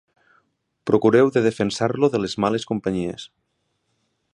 Procureu de defensar-lo de les males companyies.